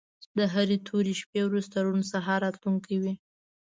د هرې تورې شپې وروسته روڼ سهار راتلونکی وي.